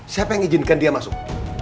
siapa yang izinkan dia masuk